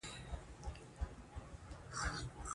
هر کړۍ مهمه ده.